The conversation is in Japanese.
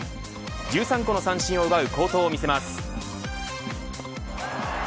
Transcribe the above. １３個の三振を奪う好投を見せます。